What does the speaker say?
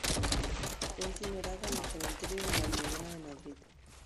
Fue incinerada en el Cementerio de La Almudena de Madrid.